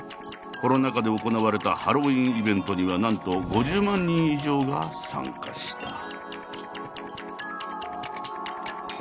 コロナ禍で行われたハロウィーンイベントにはなんと５０万人以上が参加した。